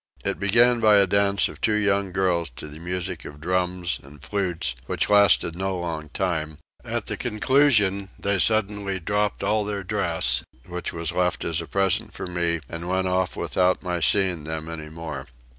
It began by a dance of two young girls to the music of drums and flutes which lasted no long time; at the conclusion they suddenly dropped all their dress, which was left as a present for me, and went off without my seeing them any more.